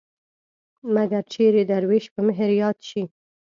مګر چېرې د دروېش په مهر ياد شي.